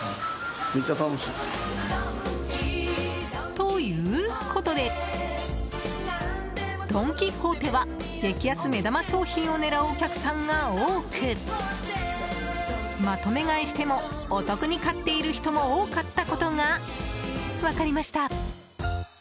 ということでドン・キホーテは激安目玉商品を狙うお客さんが多くまとめ買いしてもお得に買っている人も多かったことが分かりました。